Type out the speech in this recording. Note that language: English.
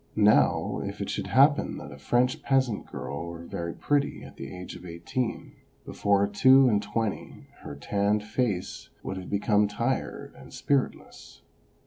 Now, if it should haj)pen that a French peasant girl were very pretty at the age of eighteen, before two and twenty her tanned face would have become tired and spiritless.